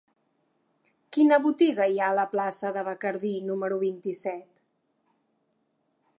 Quina botiga hi ha a la plaça de Bacardí número vint-i-set?